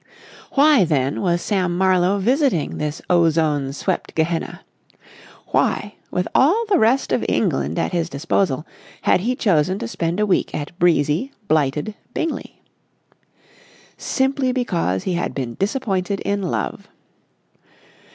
Why, then, was Sam Marlowe visiting this ozone swept Gehenna? Why, with all the rest of England at his disposal, had he chosen to spend a week at breezy, blighted Bingley? Simply because he had been disappointed in love.